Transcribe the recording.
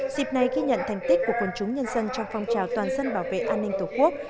dịp này ghi nhận thành tích của quân chúng nhân dân trong phong trào toàn dân bảo vệ an ninh tổ quốc